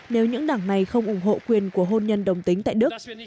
nếu những đảng này không ủng hộ quyền của hôn nhân đồng tính tại đức